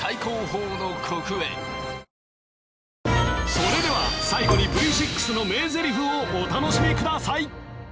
それでは最後にＶ６の名ゼリフをお楽しみください！